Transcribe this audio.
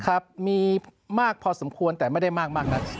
ครับมีมากพอสมควรแต่ไม่ได้มากนัก